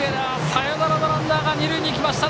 サヨナラのランナーが二塁に行きました。